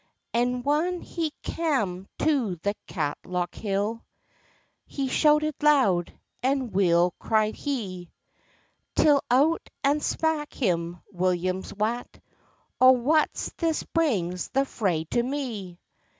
And whan he cam to the Catslockhill, He shouted loud and weel cried he, Till out and spak him William's Wat— "O wha's this brings the fraye to me?"